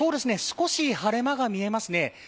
少し晴れ間が見えますね。